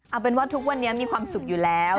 เอาเป็นว่าทุกวันนี้มีความสุขอยู่แล้ว